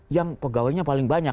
yang pegawainya paling banyak